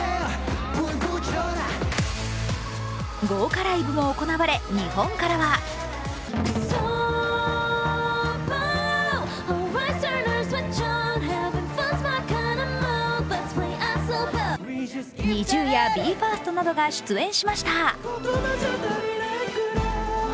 豪華ライブも行われ、日本からはＮｉｚｉＵやＢＥ：ＦＩＲＳＴなどが出演しました。